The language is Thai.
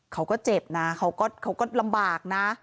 เขาก็เจ็บนะเขาก็ลำบากนะ